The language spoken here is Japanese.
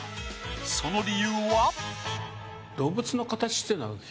その理由は？